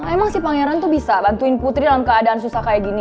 emang si pangeran tuh bisa bantuin putri dalam keadaan susah kayak gini